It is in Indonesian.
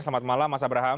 selamat malam mas abraham